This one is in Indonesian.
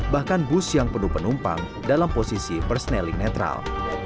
bahkan bus yang penuh penumpang dalam posisi persneling netral